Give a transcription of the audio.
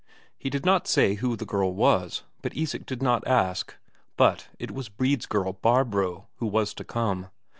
He did not say who the girl was, and Isak did not ask, but it was Brede's girl Barbro who was to come.